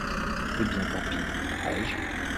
Eh bien, tant pis, rage.